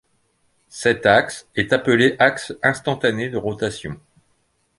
Cet axe est appelé axe instantané de rotation.